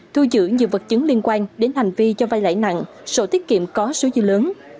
thu giữ nhiều vật chứng liên quan đến hành vi cho vay lãi nặng sổ tiết kiệm có số dư lớn